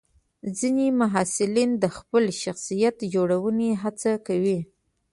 ځینې محصلین د خپل شخصیت جوړونې هڅه کوي.